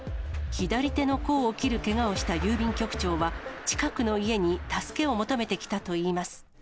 左手の甲を切るけがをした郵便局長は、近くの家に助けを求めてきたといいます。